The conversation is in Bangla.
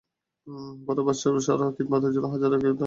পরে বাদশাহ সারাহর খিদমতের জন্যে হাজেরাকে দান করল।